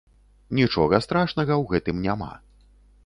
Нічога страшнага ў гэтым няма.